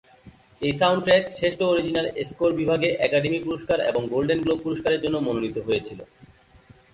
এই সাউন্ডট্র্যাক শ্রেষ্ঠ original score বিভাগে একাডেমি পুরস্কার এবং গোল্ডেন গ্লোব পুরস্কারের জন্যে মনোনীত হয়েছিল।